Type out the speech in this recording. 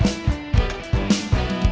ya ini lagi serius